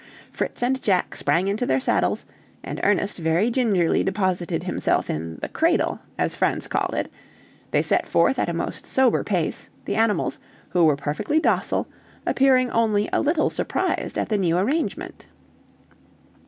Fritz and Jack sprang into their saddles, and Ernest very gingerly deposited himself in the "cradle," as Franz called it; they set forth at a most sober pace, the animals, who were perfectly docile, appearing only a little surprised at the new arrangement.